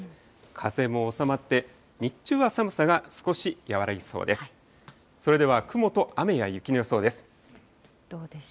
風も収まって、日中は寒さが少し和らぎそうです。